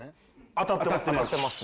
当たってます。